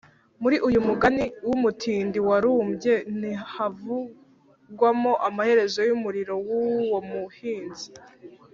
muri uyu mugani w’umutini warumbye, ntahavu-gwamo amaherezo y’umurimo w’uwo muhinzi